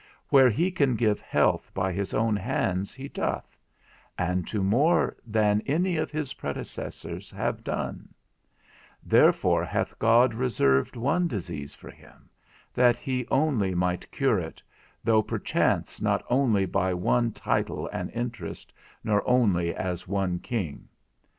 Where he can give health by his own hands he doth, and to more than any of his predecessors have done: therefore hath God reserved one disease for him, that he only might cure it, though perchance not only by one title and interest, nor only as one king.